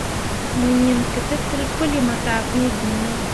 Mo yim ketǝtel puuli mo taa fĩĩ giŋ ne ?